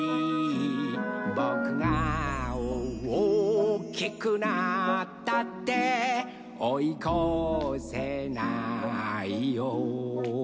「ぼくがおおきくなったっておいこせないよ」